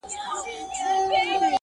په سلګیو سو په ساندو واویلا سو!.